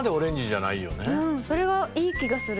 それがいい気がする。